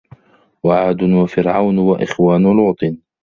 وَعادٌ وَفِرعَونُ وَإِخوانُ لوطٍ